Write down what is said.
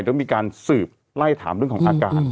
ต้องมีการสืบไล่ถามเรื่องของอาการ